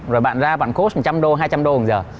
rồi bạn ra bạn cốt một trăm linh đô hai trăm linh đô một giờ